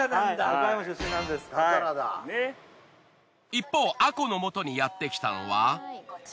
一方あこのもとにやってきたのは。